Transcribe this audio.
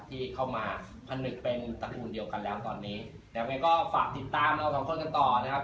ที่เข้ามาผนึกเป็นตระกูลเดียวกันแล้วตอนนี้ยังไงก็ฝากติดตามเราสองคนกันต่อนะครับ